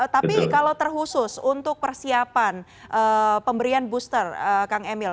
tapi kalau terhusus untuk persiapan pemberian booster kang emil